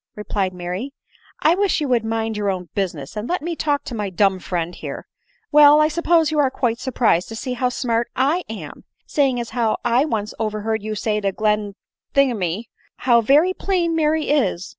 ?" replied Mary ;" I wish you would mind your own busi ness, and let me talk to my dumb friend here. Well, 1 suppose you are quite surprised to see how smart I am !— seeing as how I once overheard you say to Glen thingymy, * how very plain Mary is